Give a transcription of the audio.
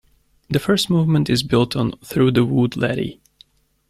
The first movement is built on "Through the Wood Laddie".